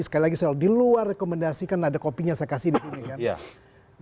sekali lagi saya di luar rekomendasi kan ada kopinya saya kasih di sini kan